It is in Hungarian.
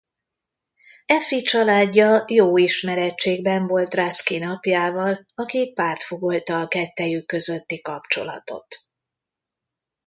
Effie családja jó ismeretségben volt Ruskin apjával aki pártfogolta a kettejük közötti kapcsolatot.